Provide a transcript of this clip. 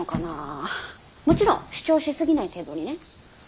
もちろん主張しすぎない程度にね。